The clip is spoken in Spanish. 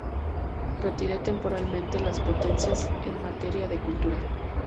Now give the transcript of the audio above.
retire temporalmente las competencias en materia de cultura